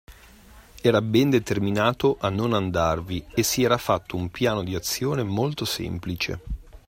Era ben determinato a non andarvi e si era fatto un piano di azione molto semplice.